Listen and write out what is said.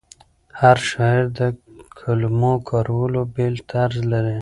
هر شاعر د کلمو کارولو بېل طرز لري.